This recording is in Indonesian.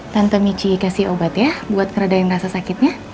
tante michi kasih obat ya buat keredahin rasa sakitnya